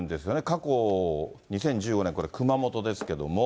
過去、２０１５年、熊本ですけれども。